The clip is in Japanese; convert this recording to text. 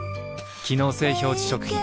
機能性表示食品